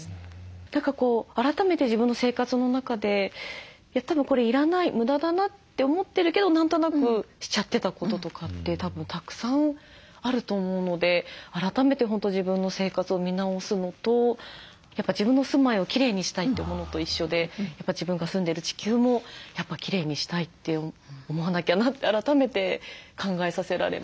何か改めて自分の生活の中でたぶんこれ要らない無駄だなって思ってるけど何となくしちゃってたこととかってたぶんたくさんあると思うので改めて本当自分の生活を見直すのとやっぱ自分の住まいをきれいにしたいって思うのと一緒でやっぱ自分が住んでる地球もやっぱきれいにしたいって思わなきゃなって改めて考えさせられましたね。